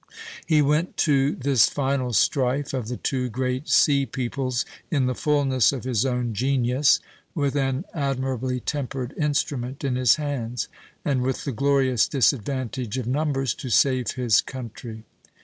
He went to this final strife of the two great sea peoples in the fulness of his own genius, with an admirably tempered instrument in his hands, and with the glorious disadvantage of numbers, to save his country.